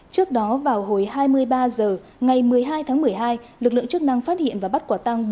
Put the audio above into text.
trước đó vào hồi hai mươi ba h ngày một mươi hai tháng một mươi hai lực lượng chức năng phát hiện và bắt quả tăng